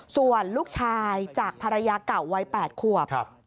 ส่วนลูกชายจากภรรยาเก่าวัย๘ขวบ